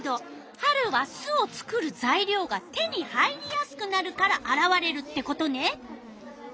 春は巣を作るざいりょうが手に入りやすくなるからあらわれるってことね。